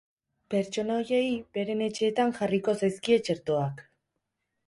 Pertsona horiei beren etxeetan jarriko zaizkie txertoak.